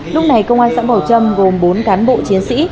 lúc này công an xã bảo trâm gồm bốn cán bộ chiến sĩ